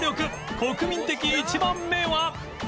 国民的１番目は